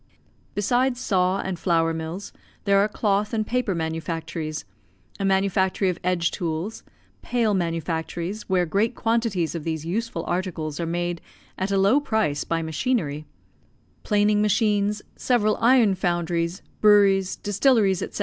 Besides saw and flour mills, there are cloth and paper manufactories, a manufactory of edge tools; pail manufactories, where great quantities of these useful articles are made at a low price by machinery; planing machines, several iron foundries, breweries, distilleries, &c.